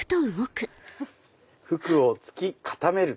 福をつき固める。